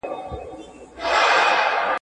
لرغوني اثار ځانګړی ارزښت لري